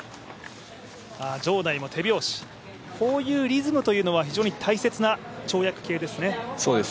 場内も手拍子、こういうリズムというのは非常に大切な跳躍系ですね。